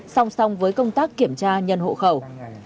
song song với công tác kiểm tra nhân hộ khẩu